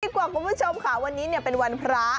คุณผู้ชมค่ะวันนี้เป็นวันพระ